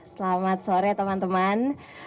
selamat sore teman teman